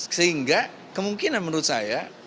sehingga kemungkinan menurut saya